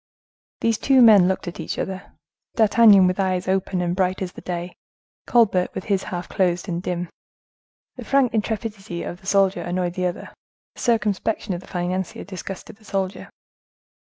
These two men looked at each other—D'Artagnan, with eyes open and bright as the day—Colbert, with his half closed, and dim. The frank intrepidity of the financier annoyed the other; the circumspection of the financier disgusted the soldier.